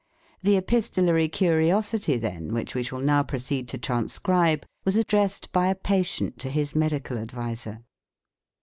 The epistolary curiosity, then, which we shall now proceed to transcribe, was addressed by a patient to his medical adviser.